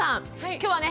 今日はね